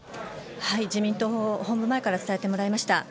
自民党本部前から伝えてもらいました。